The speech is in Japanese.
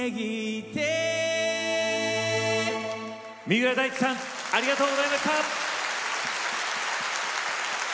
三浦大知さんありがとうございました。